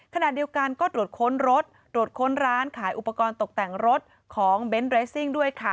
ขณะเดียวกันก็ตรวจค้นรถตรวจค้นร้านขายอุปกรณ์ตกแต่งรถของเบนท์เรสซิ่งด้วยค่ะ